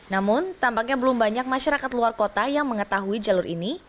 namun tampaknya belum banyak masyarakat luar kota yang mengetahui jalur ini